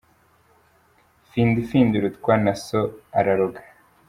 Findi findi irutwa na so araroga”.